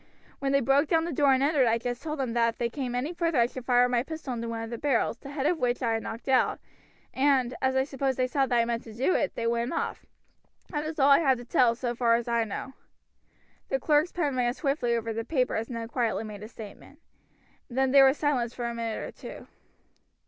When they broke down the door and entered I just told them that if they came any further I should fire my pistol into one of the barrels, the head of which I had knocked out, and, as I suppose they saw that I meant to do it, they went off. That is all I have to tell, so far as I know." The clerk's pen ran swiftly over the paper as Ned quietly made his statement. Then there was a silence for a minute or two.